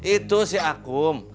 itu si akum